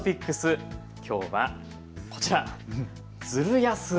きょうは、こちら。